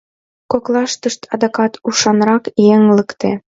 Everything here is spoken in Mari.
Коклаштышт адакат ушанрак еҥ лекте.